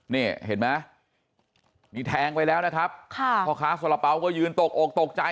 นี่เห็นมั้ยมีแทงไปแล้วนะครับค้าสระเป๋าก็ยืนตกอกตกใจ